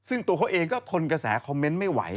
ซึ่งตัวเขาเองก็ทนกระแสคอมเมนต์ไม่ไหว